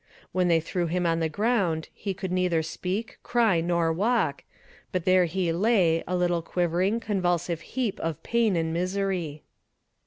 When they threw him on the ground he could neither speak, cry, nor walk, but there he lay a little quivering, convulsive heap of pain and misery.